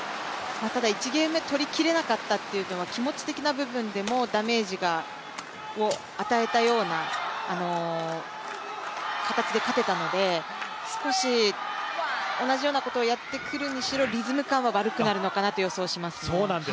１ゲーム目、取りきれなかったというのは気持ち的な部分でもダメージを与えたような形で勝てたので、少し、同じようなことをやってくるにしろリズム感は悪くなるのかなという感じはしますね。